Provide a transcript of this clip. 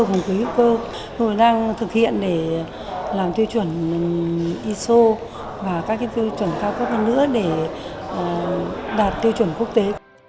hùng quỷ hữu cơ hồi đang thực hiện để làm tiêu chuẩn iso và các tiêu chuẩn cao cấp hơn nữa để đạt tiêu chuẩn quốc tế